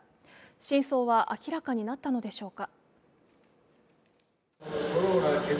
真相は明らかになったのでしょうか。